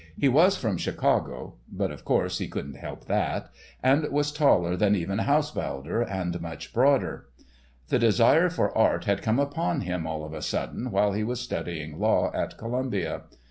He was from Chicago (but, of course, he couldn't help that!), and was taller than even Haushaulder, and much broader. The desire for art had come upon him all of a sudden while he was studying law at Columbia.